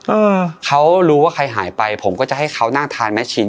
เออเขารู้ว่าใครหายไปผมก็จะให้เขานั่งทานแม่ชิม